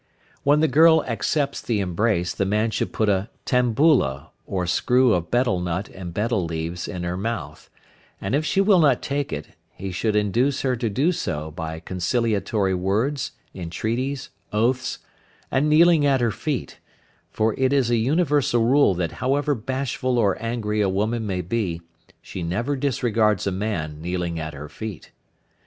When the girl accepts the embrace, the man should put a "tambula" or screw of betel nut and betel leaves in her mouth, and if she will not take it, he should induce her to do so by conciliatory words, entreaties, oaths, and kneeling at her feet, for it is an universal rule that however bashful or angry a woman may be, she never disregards a man kneeling at her feet.